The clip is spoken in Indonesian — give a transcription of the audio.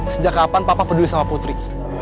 sejak kapan papa peduli sama putri